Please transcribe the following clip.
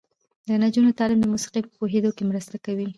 د نجونو تعلیم د موسیقۍ په پوهیدو کې مرسته کوي.